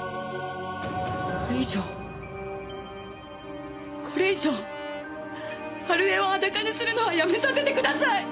これ以上これ以上春枝を裸にするのはやめさせてください！